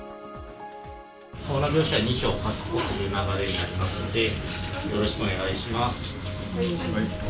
コロナ病床は２床確保という流れになりますので、よろしくお願いします。